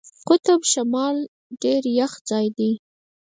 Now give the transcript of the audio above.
قطب شمال ډېر یخ ځای دی.